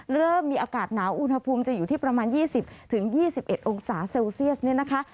เริ่มมีอากาศหนาวอุณหภูมิจะอยู่ที่ประมาณ๒๐๒๑องศาเซลเซียสเนี่ยนะคะ